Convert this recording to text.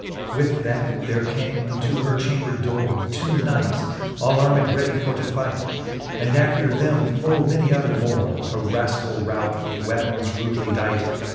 XXIX. With that there came unto her chamber dore Two knights, all armed ready for to fight. And after them full many other more, A raskall rout, with weapons rudely dight.